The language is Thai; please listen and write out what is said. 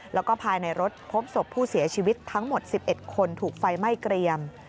แล้วก็ภายในรถพบศพผู้เสียชีวิตทั้งหมด๑๑คนถูกไฟไหม้เกรียม